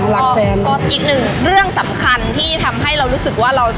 ก็อีกหนึ่งเรื่องสำคัญที่ทำให้เรารู้สึกว่าเรา